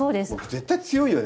絶対強いよね。